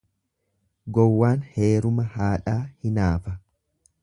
Gowwaan heeruma haadhaa hinaafa.